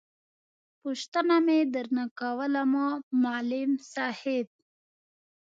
پوښتنه مې در نه کوله ما …ل …م ص … ا .. ح… ب.